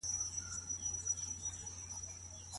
د ميرمني له خوا د هبې ردول څه حکم لري؟